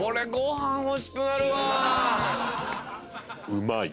うまい。